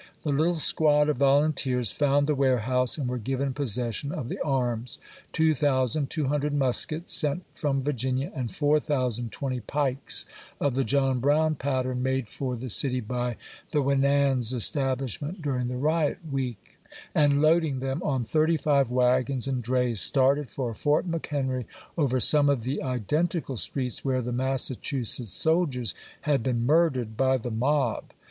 The little squad of volunteers found the warehouse and were given possession of the arms, — 2200 muskets sent from Virginia, and 4020 pikes of the John Brown pattern, made for the city by the Winans establishment during the riot week, — 174 ABRAHAM LINCOLN Chap. VIII. and loading them on thirty five wagons and drays started for Fort McHenry over some of the identical streets where the Massachusetts soldiers had been mui'dered by the mob.